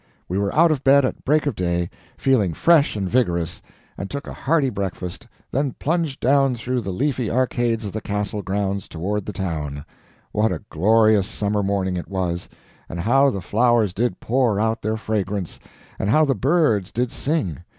We were out of bed at break of day, feeling fresh and vigorous, and took a hearty breakfast, then plunged down through the leafy arcades of the Castle grounds, toward the town. What a glorious summer morning it was, and how the flowers did pour out their fragrance, and how the birds did sing!